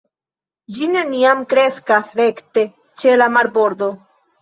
Ĝi neniam kreskas rekte ĉe la marbordo.